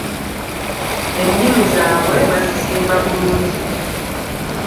Ennimi zaabwe bazisimba bulungi.